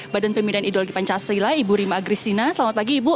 badan pemilihan ideologi pancasila ibu rima agri stina selamat pagi ibu